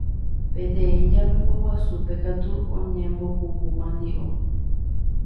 Peteĩ japepo guasúpe katu oñembopupu mandiʼo.